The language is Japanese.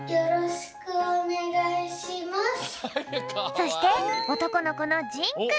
そしておとこのこのじんくん！